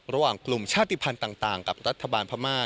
ระหว่างกลุ่มชาติภัณฑ์ต่างกับรัฐบาลพม่า